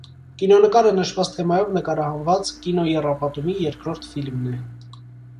Կինոնկարը նշված թեմայով նկարահանված կինոեռապատումի երկրորդ ֆիլմն է։